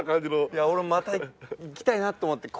いや俺もまた行きたいなと思って。